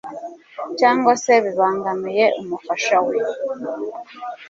cyangwa se bibangamiye umufasha we.